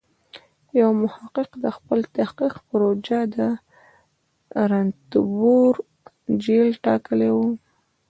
یو محقق د خپل تحقیق پروژه د رنتبور جېل ټاکلی و.